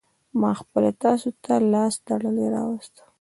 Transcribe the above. ما خپله تاسو ته لاس تړلى راوستو.